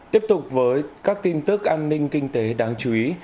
tiếp tục với các tin tức an ninh kinh tế đáng chú ý